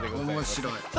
面白い。